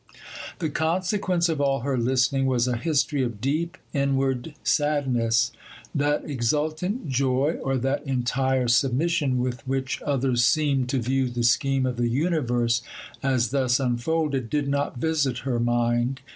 The consequence of all her listening was a history of deep inward sadness. That exultant joy, or that entire submission, with which others seemed to view the scheme of the universe, as thus unfolded, did not visit her mind.